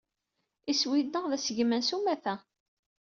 Iswi-nneɣ d assegman, s umata.